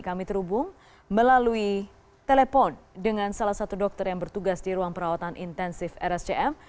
kami terhubung melalui telepon dengan salah satu dokter yang bertugas di ruang perawatan intensif rscm